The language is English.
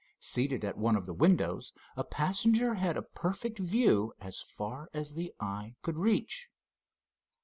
Seated at one of the windows, a passenger had a perfect view as far as the eye could reach.